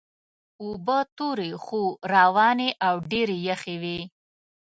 اوبه تورې خو روانې او ډېرې یخې وې.